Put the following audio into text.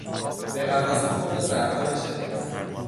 به قفسه خورد و ظرفها را شکست.